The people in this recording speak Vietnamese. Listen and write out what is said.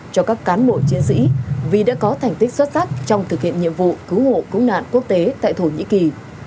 cho các cán bộ chiến sĩ vì đã có thành tích xuất sắc trong thực hiện nhiệm vụ cứu hộ cứu nạn quốc tế tại thổ nhĩ kỳ